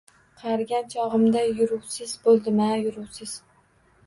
— Qarigan chog‘imda yuruvsiz bo‘ldim-a, yuruvsiz-a!